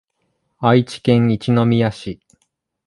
愛知県一宮市